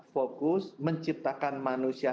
fokus menciptakan manusia